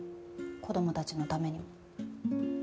子供たちのためにも。